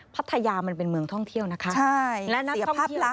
พัทยามันเป็นเมืองท่องเที่ยวนะคะ